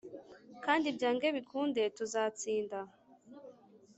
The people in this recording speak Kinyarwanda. kandi byange bikunde tuzatsinda